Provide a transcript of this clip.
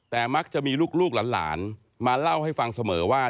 แต่มักจะมีลูกหลานมาเล่าให้ฟังเสมอว่า